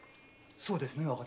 そうですね？